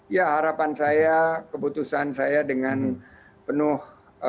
ya harapan saya keputusan saya dengan penuh